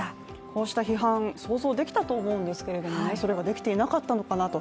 こうした批判、想像できたと思うんですけれども、それができていなかったのかなと。